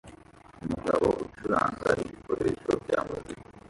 Umugabo ucuranga ibikoresho bya muzika